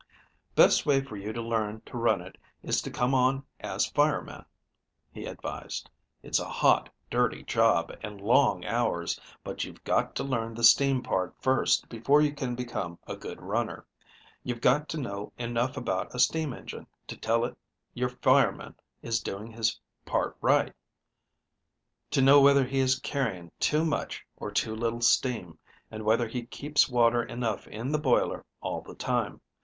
"Best way for you to learn to run it is to come on as fireman," he advised. "It's a hot, dirty job, and long hours, but you've got to learn the steam part first before you can become a good runner. You've got to know enough about a steam engine to tell if your fireman is doing his part right to know whether he is carrying too much or too little steam, and whether he keeps water enough in the boiler all the time.